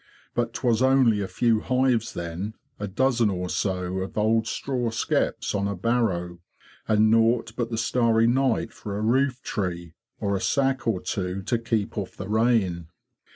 But 'twas only a few hives then, a dozen or so of old straw skeps on a barrow, and naught but the starry night for a roof tree, or a sack or two to keep off the rain.